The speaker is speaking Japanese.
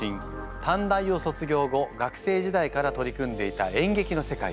短大を卒業後学生時代から取り組んでいた演劇の世界へ。